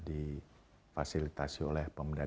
difasilitasi oleh pemerintah